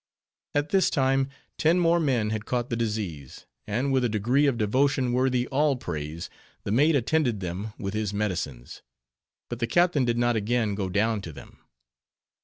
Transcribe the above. At this time, ten more men had caught the disease; and with a degree of devotion worthy all praise, the mate attended them with his medicines; but the captain did not again go down to them.